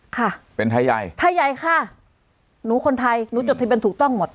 ค่ะเป็นไทยยายไทยยายค่ะหนูคนไทยหนูจดที่เป็นถูกต้องหมด